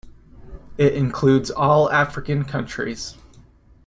It includes all African countries.